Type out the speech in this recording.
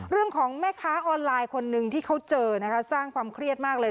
เรื่องของแม่ค้าออนไลน์คนหนึ่งที่เขาเจอนะคะสร้างความเครียดมากเลย